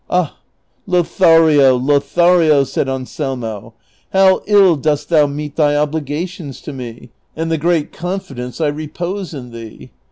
" Ah, Lothario, Lothario," said Anselmo, ' how ill dost thou meet thy obligations to me, and the great confidence I repose in thee